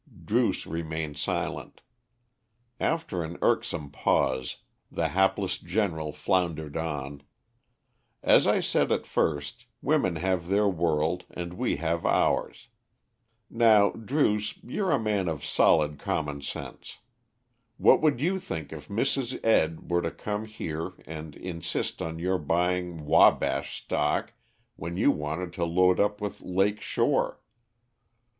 Druce remained silent. After an irksome pause the hapless General floundered on "As I said at first, women have their world, and we have ours. Now, Druce, you're a man of solid common sense. What would you think if Mrs. Ed. were to come here and insist on your buying Wabash stock when you wanted to load up with Lake Shore?